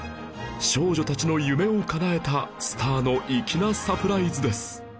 少女たちの夢を叶えたスターの粋なサプライズです